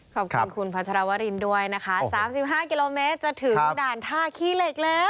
ขอบคุณคุณพัชรวรินด้วยนะคะ๓๕กิโลเมตรจะถึงด่านท่าขี้เหล็กแล้ว